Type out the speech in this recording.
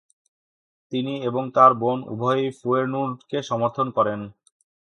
তিনি এবং তার বোন উভয়ই ফেয়েনুর্ডকে সমর্থন করেন।